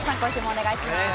お願いします。